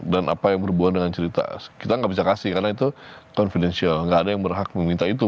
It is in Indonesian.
dan apa yang berhubungan dengan cerita kita gak bisa kasih karena itu confidential gak ada yang berhak meminta itu